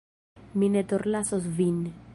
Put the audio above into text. Mi ne forlasos Vin.